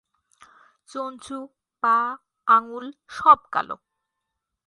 চঞ্চু, পা, আঙুল সব কালো।